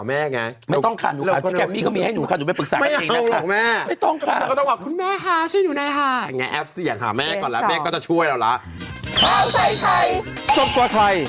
อย่างนี้แอปอยากหาแม่ก่อนแล้วแม่ก็จะช่วยเราแล้ว